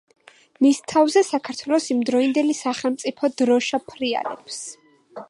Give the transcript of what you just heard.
მის თავზე საქართველოს იმდროინდელი სახელმწიფო დროშა ფრიალებს.